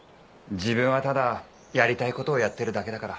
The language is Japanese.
自分はただやりたい事をやってるだけだから。